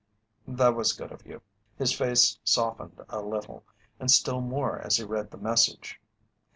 "That was good of you." His face softened a little, and still more as he read the message.